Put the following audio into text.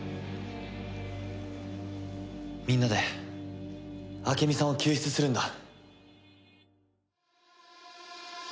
みんなで朱美さんを救出するんだ。